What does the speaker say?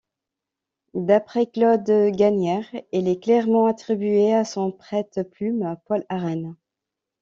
D'après Claude Gagnière, elle est clairement attribuée à son prête-plume, Paul Arène.